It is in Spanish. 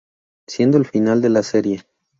Siendo el final de la serie.